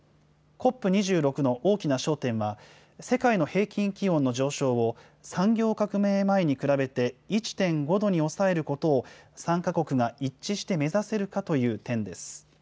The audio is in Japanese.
ＣＯＰ２６の大きな焦点は、世界の平均気温の上昇を、産業革命前に比べて１．５度に抑えることを、参加国が一致して目指せるかという点です。